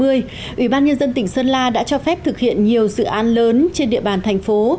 ủy ban nhân dân tỉnh sơn la đã cho phép thực hiện nhiều dự án lớn trên địa bàn thành phố